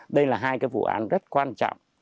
đây là hai vụ án rất quan trọng